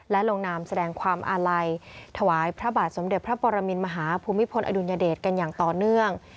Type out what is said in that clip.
และลงนามแสดงความอาลัยถวายพระบาทสมเด็จพระปรมินมหาภูมิพลอดุลยเดชกันอย่างต่อเนื่อง